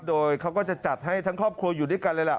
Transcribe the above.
โดยเขาก็จะจัดให้ทั้งครอบครัวอยู่ด้วยกันเลยล่ะ